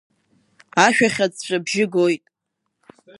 Ашә ахь аҵәҵәабжьы гоит.